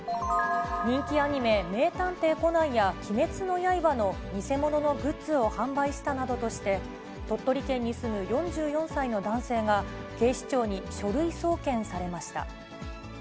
人気アニメ、名探偵コナンや鬼滅の刃の偽物のグッズを販売したなどとして、鳥取県に住む４４歳の男性が警視庁に書類送検されました。